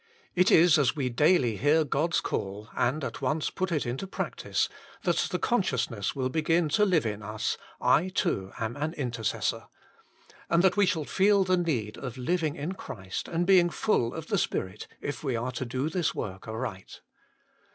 It is as we daily hear God s call, and at once put it into practice, that the consciousness will begin to INTRODUCTION 7 live in us, I too am an intercessor; and that we shall feel the need of living in Christ and being full of the Spirit if we are to do this work aright.